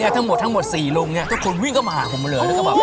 ทั้งหมด๔ลุงทุกคนวิ่งเข้ามาหาผมมาเลย